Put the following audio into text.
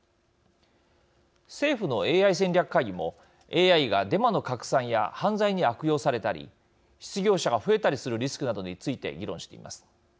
政府のＡＩ戦略会議もＡＩがデマの拡散や犯罪に悪用されたり失業者が増えたりするリスクなどについて議論しています。